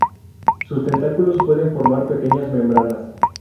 Sus tentáculos pueden formar pequeñas membranas.